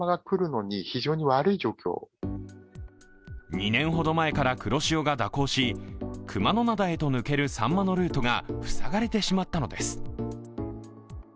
２年ほど前から黒潮が蛇行し、熊野灘へと抜けるさんまのルートが塞がれてしまったのです。